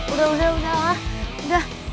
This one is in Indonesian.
udah udah lah udah